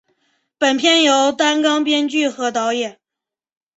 本片由担纲编剧和导演。